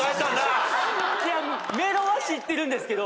メロは知ってるんですけど。